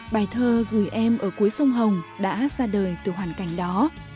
bài thơ gửi em ở cuối sông hồng đã ra đời từ hoàn cảnh đó